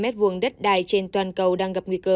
trên toàn cầu đang gặp nguy cơ